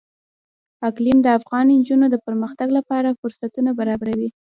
اقلیم د افغان نجونو د پرمختګ لپاره فرصتونه برابروي.